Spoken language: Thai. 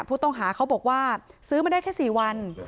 ผู้ต้องหาเขาบอกว่าซื้อมาได้แค่๔วัน